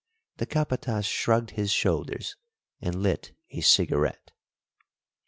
The capatas shrugged his shoulders and lit a cigarette.